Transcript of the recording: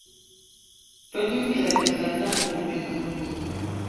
Tonnyumiza by'otolinaako mutwe na magulu.